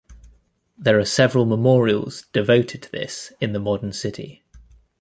There are several memorials devoted to this in the modern city.